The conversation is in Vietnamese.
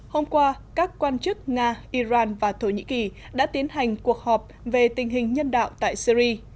hôm qua các quan chức nga iran và thổ nhĩ kỳ đã tiến hành cuộc họp về tình hình nhân đạo tại syri